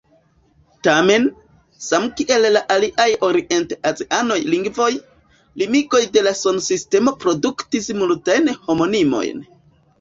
Tamen, samkiel la aliaj orient-aziaj lingvoj, limigoj de la sonsistemo produktis multajn homonimojn.